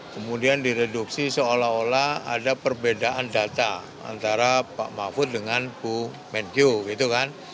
kemudian direduksi seolah olah ada perbedaan data antara pak mahfud dengan bu mentyo gitu kan